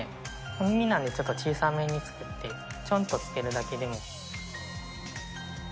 耳なんでちょっと小さめに作って、ちょんとつけるだけでも。